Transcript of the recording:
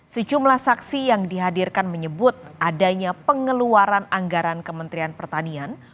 sejumlah saksi yang dihadirkan menyebut adanya pengeluaran anggaran kementerian pertanian